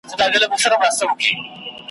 نه دوستان سته چي یې ورکړي یو جواب د اسوېلیو `